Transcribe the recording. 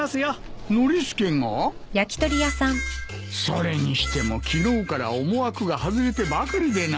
それにしても昨日から思惑が外れてばかりでな。